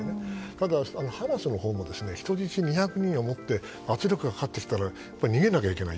ただ、ハマスのほうも人質２００人を持って圧力がかかってきたら逃げなきゃいけない。